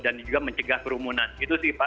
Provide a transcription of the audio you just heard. dan juga mencegah kerumunan itu sih